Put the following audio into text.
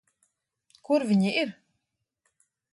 Kur viņi ir?